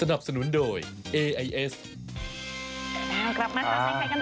กลับมากับใครกันต่อค่ะ